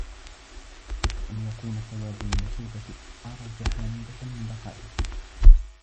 وَأَنْ يَكُونَ ثَوَابُ الْمُصِيبَةِ أَرْجَحَ عِنْدَك مِنْ بَقَائِهَا